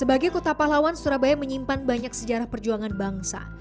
sebagai kota pahlawan surabaya menyimpan banyak sejarah perjuangan bangsa